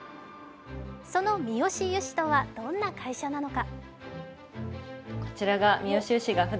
そのミヨシ油脂とはどんな会社なのか。